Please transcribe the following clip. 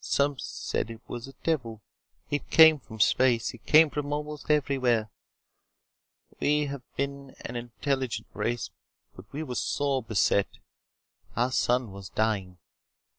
Some said it was a devil. It came from space. It came from almost anywhere. We have been an intelligent race, but we were sore beset. Our sun was dying.